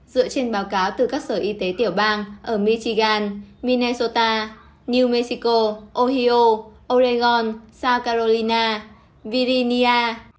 dựa trên báo cáo từ các sở y tế tiểu bang ở michigan minnesota new mexico ohio oregon south carolina virginia